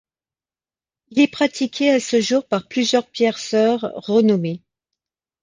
Il est pratiqué à ce jour par plusieurs pierceurs renommés.